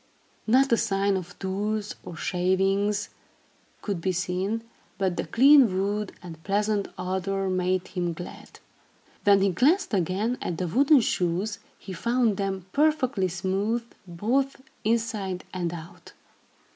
Not a sign of tools, or shavings could be seen, but the clean wood and pleasant odor made him glad. When he glanced again at the wooden shoes, he found them perfectly smooth, both inside and out.